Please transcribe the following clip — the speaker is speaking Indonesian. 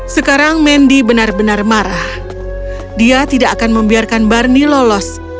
sekarang mendy benar benar marah dia tidak akan membiarkan barnie lolos